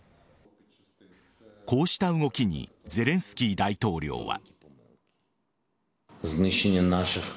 こうした動きにゼレンスキー大統領は。